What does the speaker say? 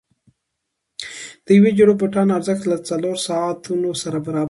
د یوې جوړې بوټانو ارزښت له څلورو ساعتونو سره برابر دی.